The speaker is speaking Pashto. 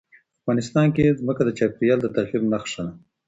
افغانستان کې ځمکه د چاپېریال د تغیر نښه ده.